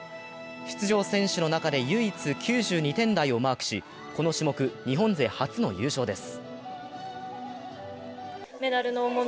出場選手の中で唯一、９２点台をマークし、この種目、日本勢初の優勝です。